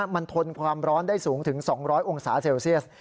มันทนความร้อนได้สูงถึง๒๐๐องศาเซลเซียส